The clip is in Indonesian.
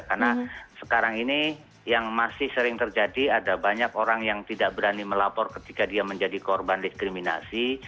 karena sekarang ini yang masih sering terjadi ada banyak orang yang tidak berani melapor ketika dia menjadi korban diskriminasi